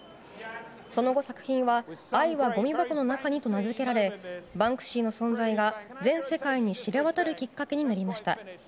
その後、作品は「愛はごみ箱の中に」と名付けられバンクシーの存在が全世界に知れ渡るきっかけになりました。